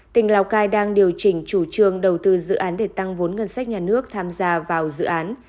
tỉnh lào cai đang điều chỉnh chủ trương đầu tư dự án để tăng vốn ngân sách nhà nước tham gia vào dự án